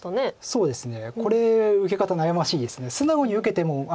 そうですね。